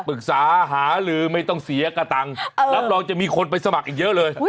ปรึกษาหาลือไม่ต้องเสียกระตังค์รับรองจะมีคนไปสมัครอีกเยอะเลย